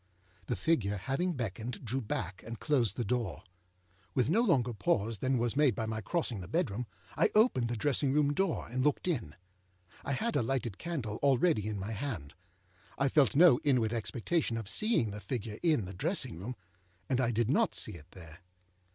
The figure, having beckoned, drew back, and closed the door. With no longer pause than was made by my crossing the bedroom, I opened the dressing room door, and looked in. I had a lighted candle already in my hand. I felt no inward expectation of seeing the figure in the dressing room, and I did not see it there.